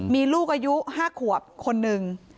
มีลูกอายุ๕ขวบคนหนึ่ง